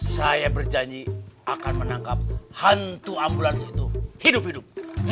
saya berjanji akan menangkap hantu ambulans itu hidup hidup